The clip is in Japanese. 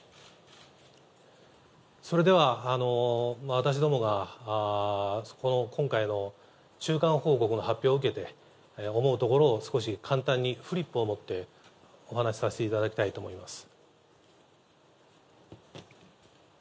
それでは、私どもがこの、今回の中間報告の発表を受けて、思うところを少し、簡単にフリップをもって、お話させていただきたいと思います。